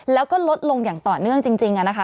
แล้วก็ลดลงอย่างต่อเนื่องจริงนะคะ